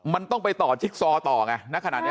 มันต้องไปต่อจิ๊กซอต่อไง